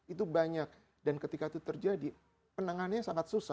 itu banyak dan ketika itu terjadi penanganannya sangat susah